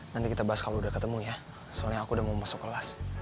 nanti kita bahas kalau udah ketemu ya soalnya aku udah mau masuk kelas